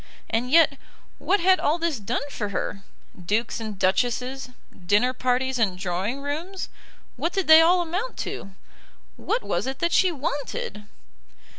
And yet what had all this done for her? Dukes and duchesses, dinner parties and drawing rooms, what did they all amount to? What was it that she wanted?